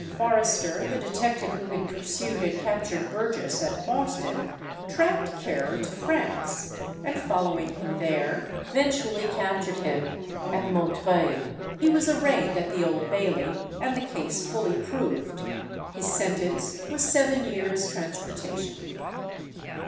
Forrester, the detective who had pursued and captured Burgess at Boston, tracked Ker to France, and following him there, eventually captured him at Montreuil. He was arraigned at the Old Bailey, and the case fully proved. His sentence was seven years' transportation.